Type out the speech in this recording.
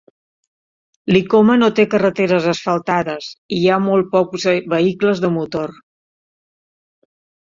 Likoma no té carreteres asfaltades i hi ha molt pocs vehicles de motor.